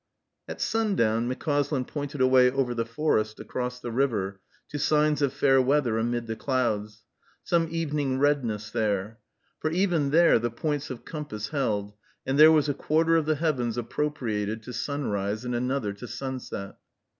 At sundown McCauslin pointed away over the forest, across the river, to signs of fair weather amid the clouds, some evening redness there. For even there the points of compass held; and there was a quarter of the heavens appropriated to sunrise and another to sunset.